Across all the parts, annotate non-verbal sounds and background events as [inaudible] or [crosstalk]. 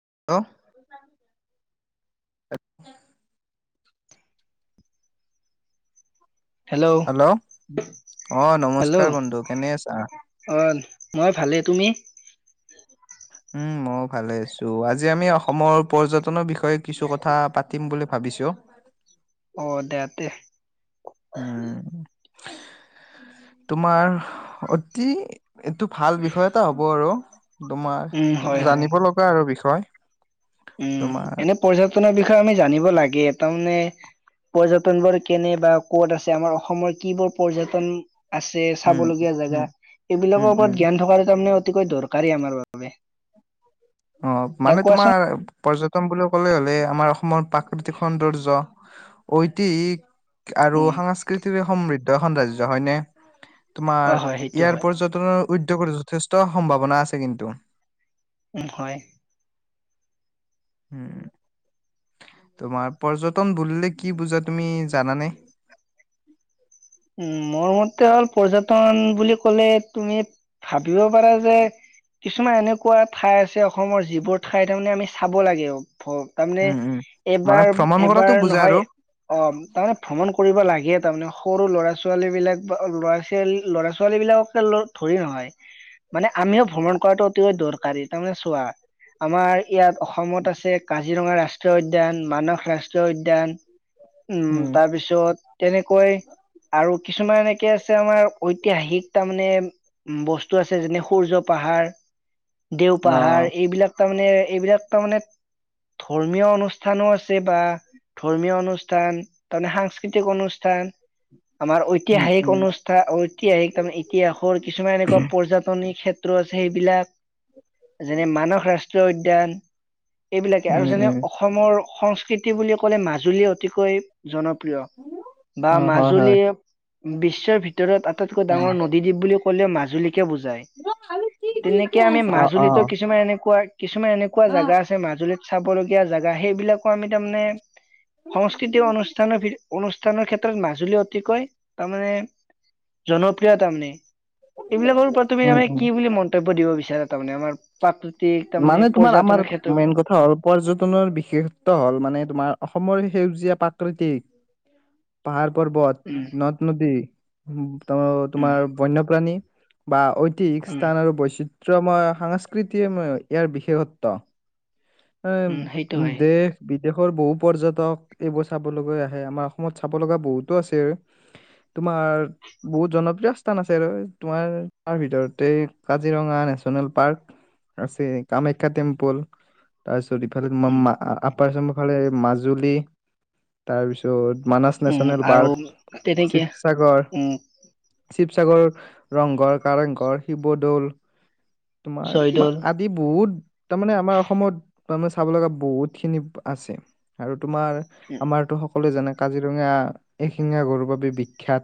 [unintelligible] Hello, অ, hello নমস্কাৰ বন্ধু কেনে আছা? অ মই ভালেই তুমি? উম, মইও ভালে আছো আজি আমি অসমৰ পৰ্যটনৰ বিষ বিষয়ে কিছু কথা পাতিম বুলি ভাবিছো। অ, দিয়া তে উম তোমাৰ অতি এইটো ভাল বিষয় এটা হ'ব আৰু। তোমাৰ উম হয় এইটো হয় জানিব লগা আৰু বিষয়। উম, তোমাৰ এনে পৰ্যটনৰ বিষ ষয়ে আমি জানিব লাগে তাৰমানে পৰ্যটন বোৰ কেনে বা ক'ত আছে আমাৰ অসমৰ কি বোৰ পৰ্যটন আছে উম চাব লগীয়া উম জেগা উম এইবিলাকৰ উম ওপৰত জ্ঞান থকা কেইটা তাৰমানে উৎ অতিকৈ দৰকাৰী আমাৰ বাবে অ, দে মানে কোৱাচোন তোমাৰ পৰ্যটন বুলি ক'লে হলে আমাৰ অসমৰ পাক প্ৰাকৃতিক সৌন্দৰ্য [unintelligible] ঐতিক আৰু উম সাংস্কৃতিৰে সমৃ তো এখন ৰাজ্য হয়নে? অ তোমাৰ হয় সেইটো ইয়াৰ হয় পৰ্যটনৰ উদ্যোগৰ যথেষ্ট সম্ভাৱনা আছে কিন্তু। উম ম, হয়। উম, তোমাৰ পৰ্যটন বুলিলে কি বুজা তুমি জানানে? উ, মোৰ মতে হল মোৰ মতে হ'ল পৰ্যটন বুলি কলে তুমি ভাবিব পাৰা যে কিছুমান এনেকুৱা ঠাই আছে অসমৰ যিবোৰ ঠাই তাৰমানে ম আমি চাব লাগেও [unintelligible] তাৰমানে উম, উম। মানে ভ্ৰমণ কৰাটো এবাৰ-এবাৰ বুজা আৰু। নহয় অ' তাৰমানে ভ্ৰমণ কৰিব লাগে তাৰমানে স সৰু ল'ৰা-ছোৱালী বিলাক, বা ল'ৰা-ছোৱালী, লৰা-ছোৱালী বিলাককে ধৰি নহয়। মানে আমিও ভ্ৰমণ কৰাটো অতিকৈ দৰকাৰ। পাৰি তাৰমানে চোৱা আমাৰ। ইয়াত অসমত আছে, কাজিৰঙাৰ ৰাষ্ট্ৰ ৰাষ্ট্ৰীয় উদ্যান, মানস ৰাষ্ট্ৰীয় উদ্যান। উম, উম, তাৰপিছত তেনেকৈ। আৰু কিছুমান এনেকে আছে আমাৰ। ঐতিহাসিক তাৰ মানে? বস্তু আছে, যেনে সূৰ্য পাহাৰ। দেও পাহাৰ, অ', এইবিলাক? তাৰমানে এইবিলাক তাৰমানে ধৰ্মীয় অনুষ্ঠানো আছে, বা ধৰ্মীয় অনুষ্ঠান, তাৰমানে সাংস্কৃতিক অনুষ্ঠান। আমাৰ উম, ঐতিহাসিক উম, অনুষ্ঠান, ঐতিহাসিক তাৰমান ইতিহাসৰ কিছুমান এনেকুৱা পৰ্যটনী ক্ষেত্ৰ আছে সেইবিলাক, যেনে মানস ৰাষ্ট্ৰীয় উদ্যান। এইবিলাকে আৰু উম, যেনে উম, অসমৰ সংস্কৃতি বুলি ক'লে মাজুলী অতিকৈ জনপ্ৰিয় বা অ', হয়, মাজ হয়। [unintelligible] বিশ্বৰ ভিত ভিতৰত আটাইতকৈ ডাঙৰ নদীদ্বীপ বুলি কলিও মাজুলী বুজাই, তেনেকে আমি অ', মাজুলীতো অ'। কিছুমান এনেকুৱা কিছুমান এনেকুৱা জাগা আছে মাজুলীত চাবলগীয়া জাগা সেইবিলাকো আমি তাৰমানে সংস্কৃতি অনুষ্ঠানৰ, অনুষ্ঠানৰ ক্ষেত্ৰত মাজুলী অতিকৈ তাৰমানে জনপ্ৰিয় তাৰমানে। এইবিলাকৰ ওপৰত তুমি উম, মানে উম, কি বুলি মন্তব্য দিব বিচ এ তাৰমানে আমাৰ পাত মানে তোমাৰ আমাৰ মেইন কথা হ'ল, পৰ্যটনৰ বিশেষত্ব হ'ল মানে তোমাৰ অসমৰ সেউজীয়া পাত প্ৰাকৃতিক পাহাৰ পৰ্বত, উম নদ-নদী উম। ত, উম তোমাৰ বন্যপ্ৰাণী বা উম স্থান আৰু বৈচিত্ৰ ত মই সাংস্কৃতি ইয়াৰ বিশেষত্ব। অ', উম সেইটো হয় দেশ বি দেশৰ বহু পৰ্যটক এইবোৰ চাবলৈ আহে। আমাৰ অসমত চাব লগা বহুতো আছে। তোমাৰ বহুত জনপ্ৰিয় স্থান আছে আৰু। তোমাৰ তাৰ ভিতৰতে কাজিৰঙা নেচনেল পাৰ্ক আছে। কামাখ্যা টেম্পল। তাৰ যদি ইফালে মই উম মা ফালে মাজুলী। তাৰপিছত মানাস উম নেশচনেল আৰু পাৰ্ক, তেনেকে শিৱসাগৰ উম চিপসাগৰৰ ৰংঘৰ, কাৰেংঘৰ, শিৱদৌল। তোমাৰ জয়দৌল আদি বহুত। তাৰমানে আমাৰ অসমত তাৰমানে চাব লগা বহুতখিনি আছে। আৰু তোমাৰ আমাৰতো সকলোৱে জানে কাজিৰঙা এশিঙীয়া গঁড়ৰ বাবে বিখ্যাত।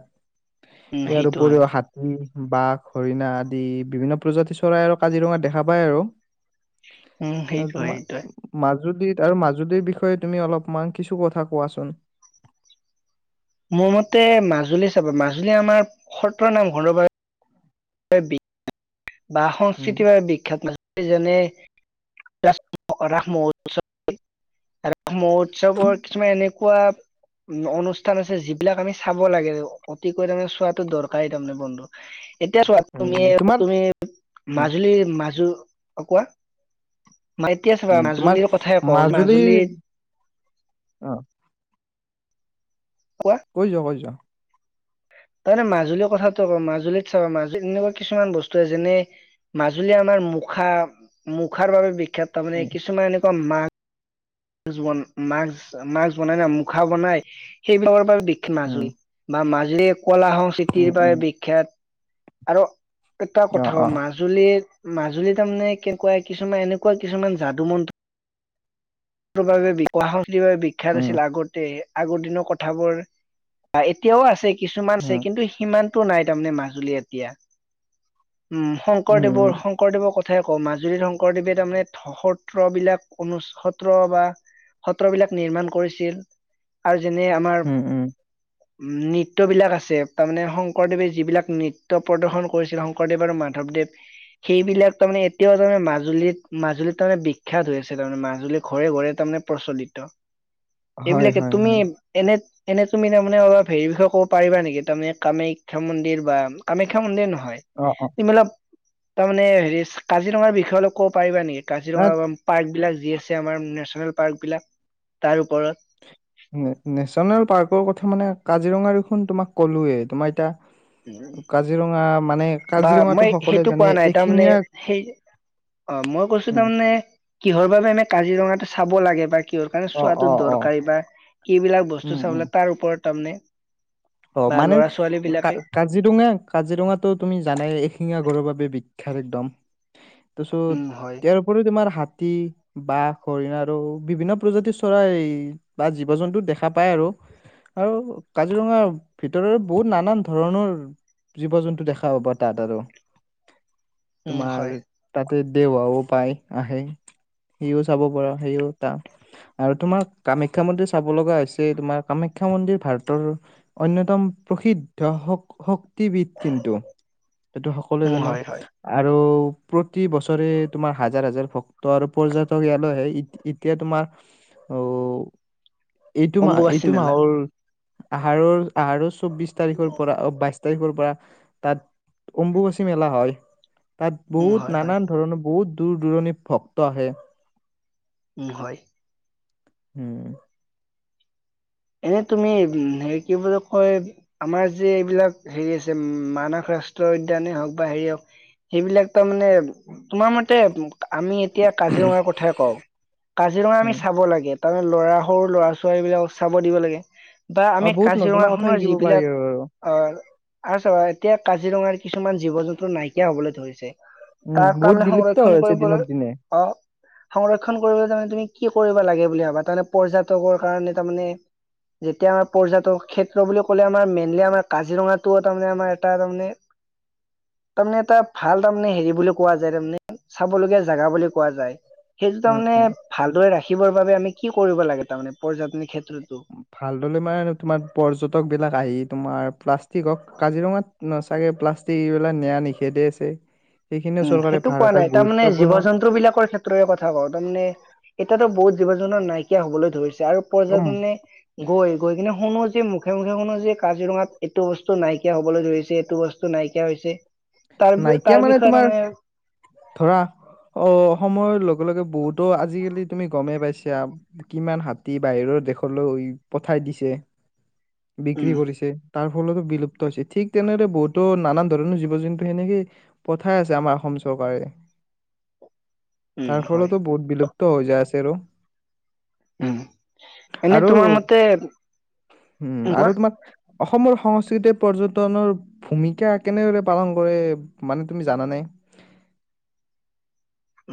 উম ইয়াৰ সেইটো হয় উপৰিও হাতী বাঘ, হৰিণা আদি। বিভিন্ন প্ৰজাতিৰ চৰাই আৰু কাজিৰঙাত দেখা পায় আৰু। উম আৰু সেইটোৱে তোমাৰ সেইটোৱে ম আৰু মাজুলীৰ বিষয়ে তুমি অলপমান কিছু কথা কোৱাচোন। মোৰ মতে মাজুলী চাবা মাজুলী আমাৰ সত্ৰৰ নাম ঘৰৰ বাবে এ বি বা উম সংস্কৃতিৰ বাবে বিখ্যাত [unintelligible] যেনে ৰাস ৰাস মহোৎসৱৰ [unintelligible] মহোৎসৱৰ কিছুমান এনে কুৱা উম্ অনুষ্ঠান আছে যিবিলাক আমি চাব লাগে অতিকৈ তাৰমানে চোৱাটো দৰকাৰী তাৰমানে বন্ধু। এতিয়া চোৱা উম তুমি উম। তোমাৰ তুমি উম মাজুলী মাজু অ কোৱা মানে এতিয়া চাবা উম তোমাৰ মাজুলীৰ কথাই কওঁ মাজুলীৰ মাজুলীত অ কোৱা কৈ যোৱা কৈ যোৱা তাৰমানে মাজুলীৰ কথাটো মাজুলীত চাবা মাজুলীত এনেকুৱা কিছুমান বস্তু যেনে মাজুলী আমাৰ মুখা মুখাৰ বাবে খেত উম তাৰমানে কিছুমান ত মা এ জুমন মাক্স-মাক্স বনাই না, মুখা বনাই সেইবিলাকৰ পৰা বি উম [unintelligible] লেপ কলা উম সংস্কৃতিৰ উম বাৰে বিখ্যাত। আৰু এটা অ', কথা অক অ', মাজুলীত মাজুলী তাৰমানে কেনেকুৱা কিছুমান এনেকুৱা কিছুমান যাদুমতন্ত্ৰ বাবে বিকোৱা সেইবাবে বিখ্যাত উম, আছিলে আগতে। আগৰ দিনৰ কথাবোৰ বা এতিয়াও আছে। কিছুমান আছে উম, কিন্তু সিমান টো নাই তাৰমানে মাজুলী এতিয়া। উম শংকৰদেৱৰ শংকৰদেৱৰ ক কথা কওঁ মাজুলীত শংকৰদেৱে তাৰমানে সত্ৰবিলাক অনু সত্ৰ বা সত্ৰবিলাক নিমাৰ্ণ কৰিছিল আৰু যেনে আমাৰ। উম, উম, নৃত্যবিলাক আছে তাৰমানে শংকৰদেৱে যিবিলাক নৃত্য প্ৰদৰ্শন কৰিছিল শংকৰদেৱ আৰু মাধৱদেৱ সেইবিলাক তাৰমানে এতিয়াও তাৰমানে মাজুলীত মাজুলীত তাৰমানে বিখ্যাত হৈ আছে তাৰমানে মাজুলীত। ঘৰে ঘৰে তাৰমানে প্ৰচলিত। হয়, এইবিলাকে হয়, তুমি হয়। এনে এনে তুমি তাৰমানে অলপ হেৰি বিষয়ে ক'ব পাৰিবা নেকি তাৰমানে কামাখ্যা মন্দিৰ বা কামাখ্যা মন্দিৰ নহয়। হয় অ', অ', এইবিলাক। তাৰমানে হেৰি কাজিৰঙাৰ বিষয়ে অলপ ক'ব পাৰিবা নেকি? কাজিৰঙা তাত পাৰ্ক বিলাক যি আছে নেচনেল পাৰ্ক বিলাক তাৰ ওপৰত। নেচনেল পাৰ্কৰ কথা মানে কাজিৰঙা দেখোন তোমাক ক'লোৱেই তোমাৰ এতিয়া কাজিৰঙা মানে বা কাজিৰঙাটো মই সকলোৱে সেইটো জানে, কোৱা নাই তাৰমানে এশিঙীয়া সেই অ মই কৈছো উম, তাৰমানে কিহৰ বাবে আমি কাজিৰঙা চাব লাগে বাকী কিহৰ কাৰণে অ', চোৱাতো অ', অ', দৰকাৰী বা কিবিলাক উম, বস্তু উম, চাবলে তাৰ ওপৰত। তামানে। অ মানে কা কা। কাজিৰঙা কাজিৰঙাতো তুমি জানাই এশিঙা গড়ৰ বাবে বিখ্যাত একদম তাপাছত উম হয় ইয়াৰ উপৰিও তোমাৰ হাত হাতী, বাঘ, হৰিণা আৰু বিভিন্ন প্ৰজাতিৰ চৰাই বা জীৱ জন্তু দেখা পায় আৰু আৰু কাজিৰঙা। ভিতৰৰ বহুত নানান ধৰণৰ জীৱ জন্তু দেখা পাবা তাত আৰু। উম তোমাৰ হয় তাত। দেওহাঁহ ও পাই আহে সিও চাব পাৰ সিও তা আৰু তোমাৰ কামাখ্যা মন্দিৰ চাব লগা হৈছে তোমাৰ কামাখ্যা মন্দিৰ ভাৰতৰ অন্যতম প্ৰসিদ্ধ হক হক। কি বিধ কিন্তু। হেইটো সকলোৱে উম জানে। হয় হয় আৰু, প্ৰতি বছৰে তোমাৰ হাজাৰ হাজাৰ ভক্ত আৰু পৰ্যাটক ইয়ালৈ আহে। এত এতিয়া তোমাৰ, অ এইটো মাহ, অম্বুবাচী এইটো মেলা মাহল। আহাৰৰ, আৰু চু চৌবিশ তাৰিখৰ পৰা অ বাইছ প তাৰিখৰ পৰা, তাত অম্বুবাচী মেলা হয়। তাত উম বহুত হয় হয় নানান ধৰণৰ বহুত, দূৰ দূৰণিত ভক্ত আহে। উম, হয়। উম। এনে তুমি হেৰি কি বুলি কয়, আমাৰ যে এইবিলাক হেৰি আছে মানস ৰাষ্ট্ৰ উদ্যানে হওক বা হেৰি হওঁক সেইবিলাক ত' মানে, তোমাৰ মতে আমি এতিয়া কাজিৰঙাৰ কথাই কওঁ, কাজিৰঙা উম আমি চাব লাগে তাৰমানে ল'ৰা, সৰু ল'ৰা-ছোৱালীবিলাক চাব দিব লাগে। বা অ আমি বহুত নজনা কাজিৰঙা কথা খনৰ শিকিব পাৰি যিবিলাক, আৰু আৰু আহ আৰু চাবা, এতিয়া কাজিৰঙাৰ কিছুমান জীৱ-জন্তু নাইকিয়া হবলৈ ধৰিছে। উম, তাক বহুত তাৰমানে বিলুপ্ত হৈ আছে দিনক দিনে। সংৰক্ষন কৰিবলৈ তাৰমানে তুমি কি কৰিব লাগে বুলি ভাবা? তাৰমানে, পৰ্যাটকৰ কাৰণে তাৰমানে, যেতিয়া আমাৰ পৰ্যাটক ক্ষেত্ৰ বুলি কলে আমাৰ মেইনলি আমাৰ কাজিৰঙাতটো তাৰমানে আমাৰ এটা তাৰমানে, তাৰমানে এটা ভাল তাৰমানে হেৰি বুলি কোৱা যায় তাৰমানে চাবলগীয়া জেগা বুলি কোৱা যায়। সেইটো তাৰ উম মানে, উম ভালদৰে ৰাখে ৰাখিবৰ বাবে আমি কি কৰিব লাগে তাৰমানে পৰ্যাট নে ভালদলে মানে তোমাৰ, পৰ্যটক বিলাক আহি তোমাৰ, ফ্লাছত কি কক কাজিৰঙাত নচ চাগে প্লাষ্টিক, এইবিলাক নিয়া নিষেধে আছে। সেইখিনিও উম, চৰকাৰে সেইটো ভাল কোৱা এটা নাই তাৰমানে গুৰুত্বপূৰ্ণ জীৱ-জন্তু বিলাকৰ ক্ষেত্ৰৰে কথা কওঁ। তাৰ মানে এতিয়াতো বহুত জীব-জন নাইকিয়া হবলৈ ধৰিছে। যাৰ উম পৰ্যাটনে, গৈ গৈ কিনে শুনো যে, মুখে-মুখে শুনো যে কাজিৰঙাত এইটো বস্তু নাইকিয়া হবলৈ ধৰিছে, এইটো বস্তু নাইকিয়া হৈছে। তাৰ বি, নাইকিয়া তাৰ মানে বিষয় তোমাৰ ধৰা, অ, সময়ৰ লগ লগে লগে বহুতো আজিকালি তুমি গমেই পাইছা। কিমান হাতী বাহিৰৰ দেশলৈ পঠাই দিছে। বিক্ৰী উম কৰিছে। তাৰ ফলতো বিলুপ্ত হৈছে। ঠিক তেনেদৰে বহুতো নানান ধৰণৰ জীৱ-জন্তু সেনেকেই পঠাই আছে আমাৰ অসম চৰকাৰে। উম তাৰ হয়। ফলতো বহুত বিলুপ ত হৈ যায় আছে আৰু। উম, এনে আৰু তোমাৰ মতে, উম আৰু কোৱা। তোমাৰ অসমৰ সংস্কৃতিয়ে পৰ্যটনৰ ভূমিকা কেনেদৰে পালন [unintelligible] মানে তুমি জানানে।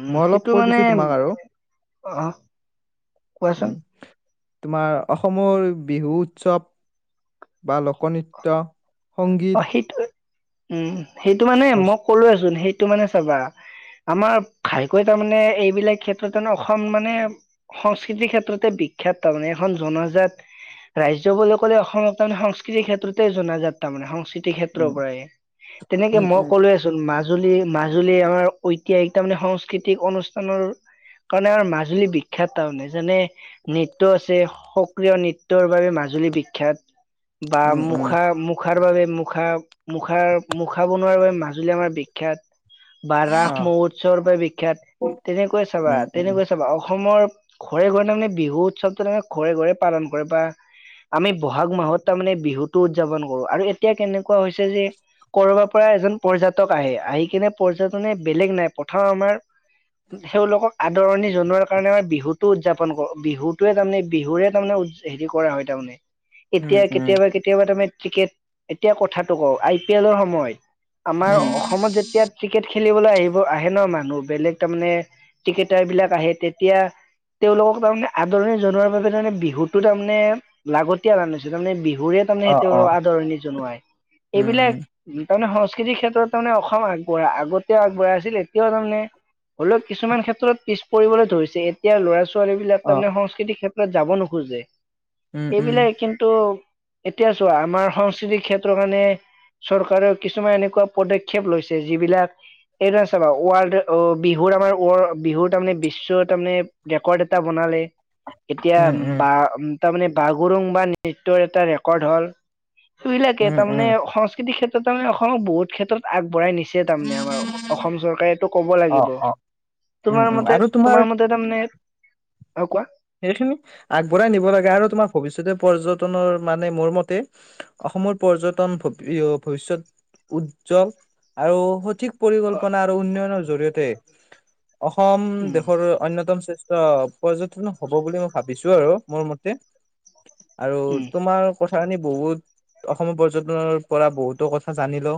উম, মই অলপ সেইটো কৈ মানে, দিছো তোমাক আৰু অঁ কোৱাচোন। উম, তোমাৰ অসমৰ বিহু উৎসৱ বা লোকনৃত্য। সংগীত অঁ সেইটোৱে। উম সেইটো মানে হচ মই ক'লোৱেচোন সেই তো মানে চাবা, আমাৰ ঘাইকৈ তাৰমানে এইবিলাক ক্ষেত্ৰতে ন অসম মানে সংস্কৃতিৰ ক্ষেত্ৰতে বিখ্যাত তাৰমানে এখন জনাজাত ৰাজ্য বুলি ক'লে অসমক তাৰমানে সংস্কৃতিৰ ক্ষেত্ৰতে জনাজাত। তাৰমানে সংচি তি উম ক্ষেত্ৰৰ পৰাই, তেনেকে উম মই উম ক'লোৱেচোন মাজ মাজুলী- মাজুলী আমাৰ ঐতিহাসিক তাৰমানে সংস্কৃতিক অনুষ্ঠানৰ কাৰণে আমাৰ মাজুলী বিখ্যাত তাৰমানে, যেনে নৃত্য আছে, সক্ৰিয় নৃত্যৰ বাবে মাজুলী বিখ্যাত। বা উম উম মুখা মুখ বাবে মুখা মুখাৰ- মুখা বনোৱাৰ বাবে মাজুলী আমাৰ বিখ্যাত। বা অ ৰাস মহোৎসৱৰ বাবে বিখ্যাত। তেনেকৈ উম চাবা- উম তেনেকৈ চাবা অসমৰ ঘৰে- ঘৰে তাৰমানে বিহু উৎসৱটো যেনেকে ঘৰে ঘৰে পালন কৰে বা আমি বহাগ মাহত তাৰমানে বিহুটো উদযাপন আৰু এতিয়া কেনেকুৱা হৈছে যে কৰবাৰ পৰা এজন পৰ্যটক আহে আহি কিনে পৰ্যটনে বেলেগ নাই প্ৰথম আমাৰ তেওঁলোকক আদৰণি জনোৱাৰ কাৰণে আমাৰ বিহুটো উদযাপন কৰো বিহুতোৱে তাৰমানে বিহুৰে তাৰমানে উ হেৰি কৰা হয় তাৰমানে। উম এতিয়া উম উম কেতিয়াবা-কেতিয়াবা তাৰমানে ক্ৰিকেট এতিয়া কথাটো কওঁ, আই পি এলৰ সময়ত আমাৰ অসমত যেতিয়া ক্ৰিকেট খে খেলিবলৈ আহিব আহে ন মানুহ বেলেগ তাৰমানে ক্ৰিকেটাৰবিলাক আহে, তেতিয়া তেওঁলোকক তাৰমানে আদৰণি জনোৱাৰ বাবে তাৰমানে বিহুটো তাৰমানে লাগতিয়াল হেন হৈছে তাৰমানে বিহুৰে তাৰমানে অ অ তেওঁলোকক আদৰণি জনোৱাই, উম উম এইবিলাক তাৰমানে সংস সংস্কৃতি ক্ষেত্ৰত তাৰমানে অসম আগবঢ়া, আগতেও আগবঢ়া আছিল এতিয়াও তাৰমানে হ'লেও কিছুমান ক্ষেত্ৰত পিছ পৰিবলৈ ধৰিছে এতিয়া ল'ৰা ছো ছোৱালীবিলাক অ তাৰমানে সংস্কৃতি ক্ষেত ত যাব নোখোজে। উম উম এইবিলাক কিন্তু এতিয়া চোৱা আমাৰ সংস্কৃতিৰ ক্ষেত্ৰৰ কাৰণে চৰকাৰেও কিছুমান এনেকুৱা পদক্ষেপ লৈছে যিবিলাক এতিয়া চাবা ৱৰ্ল্ড অ বিহুৰ আমাৰ ৱৰ্ল বিহুৰ তাৰমানে বিশ্ব তাৰমানে ৰেকৰ্ড এটা বনালে। এতিয়া উম বা উম তাৰমানে বাগৰুম্বা নৃত্য এটা ৰে কৰ্দ হ'ল। উম উম তাৰমানে সংস্কৃতিৰ ক্ষেত্ৰত তাৰমানে অসমক বহুত ক্ষেত্ৰত আগ বঢ়াই নিছে তাৰমানে আমাৰ অসম চৰকাৰেটো ক'ব অ লাগিব অ উম তোমাৰ উম মতে আৰু তোমাৰ মতে তাৰমানে অ কোৱা সেইখিনি আগবঢ়াই নিব লাগে, আৰু তোমাৰ ভৱিষ্যতে পৰ্যট টনৰ মানে মোৰ মতে অসমৰ পৰ্যটন [unintelligible] ভৱিষ্যৎ উজ্জ্বল আৰু সঠিক অ পৰিকল্পনা আৰু উন্নয়নৰ জৰিয়তে অসম উম দেশৰ অন্যতম শ্ৰে ট্ৰ পৰ্যটনৰ হ'ব বুলি মই ভাবিছো আৰু মোৰ মতে। আৰু উম তোমাৰ ক [unintelligible] বহুত অসমৰ পৰ্যটনৰ পৰা বহুতো কথা জানিলো,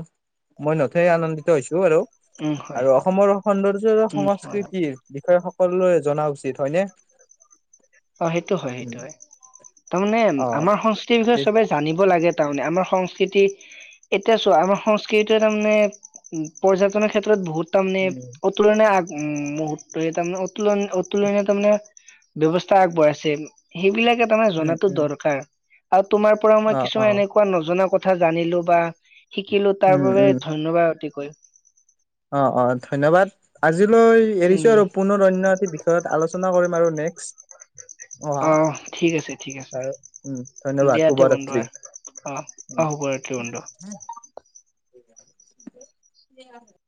মই নথৈ আনন্দিত হৈছো আৰু। উম হয় আৰু অসমৰ সৌন্দৰ্য উম হয় সংস্কৃতিৰ বিষয় সকলোৱে জনা উচিত হয়নে? অ' সেইটো হয় সেইটো উম, হয়, তাৰমানে অ আমাৰ সংস্কৃতিৰ বিষয়ে সবে তেতিয়া জানিব লাগে তাৰমানে আমাৰ সংস্কৃতি এতিয়া চোৱা আমাৰ সংস্কৃতিটোৱে তাৰমানে উম পৰ্যটনৰ ক্ষেত্ৰত বহুত তাৰমানে উম অতুলনীয় আ উম মুহূৰ্তই তাৰমানে অতুলন অতুলনীয় তাৰমানে ব্যৱস্ স্থা আগবঢ়াইছে সেইবিলাকে তাৰমানে উম জনাটো উম দৰকাৰ। আৰু তোমাৰ পৰাও মই অ অ কিছুমান এনেকুৱা নজনা ক থা জানিলো বা শিকিলো উম তাৰবাবে উম ধন্যবাদ অতি কৈ। অ', অ' ধন্যবাদ, আজিলৈ এৰিছো উম আৰু পুনৰ অন্য এটি বিষয়ত আলোচনা চনা কৰিম আৰু নেক্সট্। অ' ঠিক আছে ঠিক আছে, উম ধন্যবাদ দিয়াতে বন্ধু শুভৰাত্ৰি। আৰ, অ' অ' শুভৰাত্ৰি বন্ধু। [inaudible]